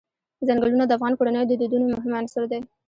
ځنګلونه د افغان کورنیو د دودونو مهم عنصر دی.